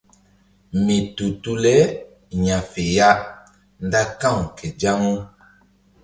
Mi tu tu le ya̧fe ya nda ka̧w ke zaŋu.